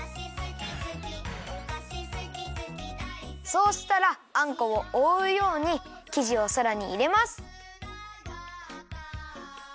そうしたらあんこをおおうようにきじをさらにいれます。